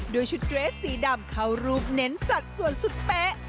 ด้วยชุดเรสสีดำเข้ารูปเน้นสัดส่วนสุดเป๊ะ